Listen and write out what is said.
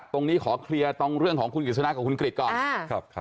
ตรงนี้ขอเคลียร์ตรงเรื่องของคุณกฤษณะกับคุณกริจก่อน